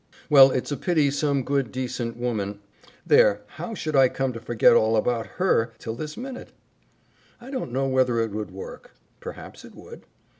"Well, it's a pity some good, decent woman There, how should I come to forget all about HER till this minute? I don't know whether it would work. Perhaps it would.